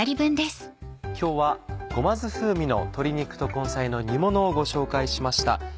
今日はごま酢風味の鶏肉と根菜の煮ものをご紹介しました。